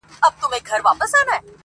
نه پنډت ووهلم، نه راهب فتواء ورکړه خو